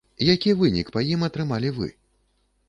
Які вынік па ім атрымалі вы?